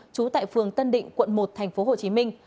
trú tại phường tân định quận một thành phố hồ chí minh